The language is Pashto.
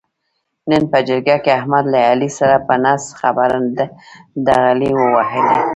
نن په جرګه کې احمد له علي سره په نه خبره ډغرې و وهلې.